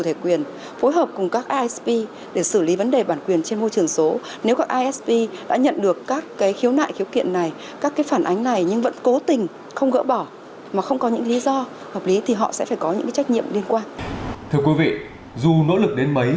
thưa quý vị dù nỗ lực đến mấy